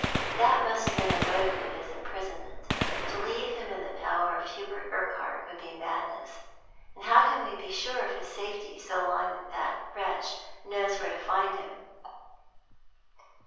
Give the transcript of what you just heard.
" That must have been the motive of his imprisonment. To leave him in the power of Hubert Urquhart would be madness ; and how can we be sure of his safety so long as that wretch knows where to find him